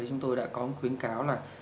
chúng tôi đã có một khuyến cáo là